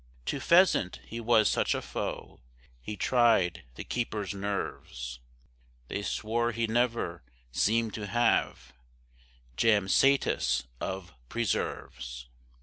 To pheasant he was such a foe, He tried the keepers' nerves; They swore he never seem'd to have Jam satis of preserves.